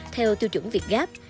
theo tiêu chuẩn việc gáp